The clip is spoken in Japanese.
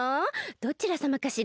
どちらさまかしら？